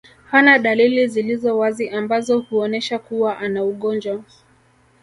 Hana dalili zilizo wazi ambazo huonesha kuwa ana ugonjwa